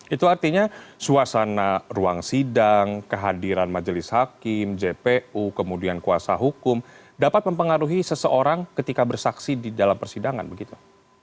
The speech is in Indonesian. itu artinya suasana ruang sidang kehadiran majelis hakim jpu kemudian kuasa hukum dapat mempengaruhi seseorang ketika bersaksi di dalam persidangan begitu